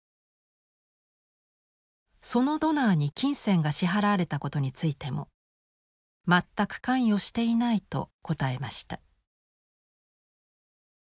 そのドナーに金銭が支払われたことについても全く関与していないと答えました。